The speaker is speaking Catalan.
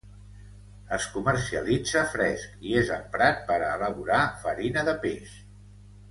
Es comercialitza fresc i és emprat per a elaborar farina de peix.